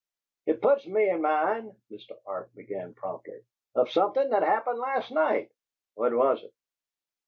"It put me in mind," Mr. Arp began promptly, "of something that happened last night." "What was it?"